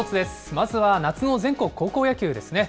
まずは夏の全国高校野球ですね。